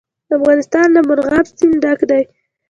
افغانستان له مورغاب سیند ډک دی.